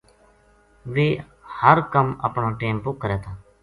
ویہ ہر کَم اپنا ٹیم پو کرے تھا